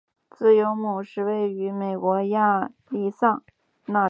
自由亩是位于美国亚利桑那州希拉县的一个人口普查指定地区。